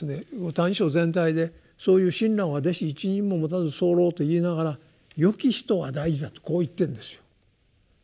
「歎異抄」全体でそういう親鸞は「弟子一人ももたずさふらふ」と言いながら「よき人」は大事だとこう言ってんですよ。